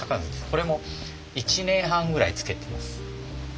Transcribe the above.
これも１年半ぐらい漬けてます。